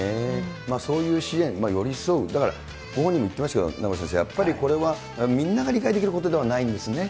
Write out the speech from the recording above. そういう支援、寄り添う、だからご本人も言ってましたけど、名越先生、やっぱりこれはみんなが理解できることではないんですね。